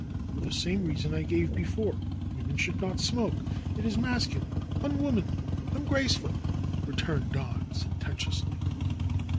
'^For the same reason I gave before; women should not smoke. It is masculine, unwomanly, ungraceful," returned Don sententiously.